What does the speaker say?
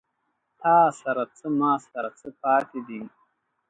تاســـره څـــه، ما ســـره څه پاتې دي